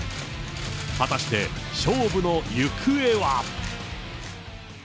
果たして勝負の行方は。